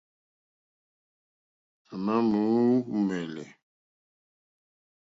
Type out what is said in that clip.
À mà mù úŋmɛ́lɛ́.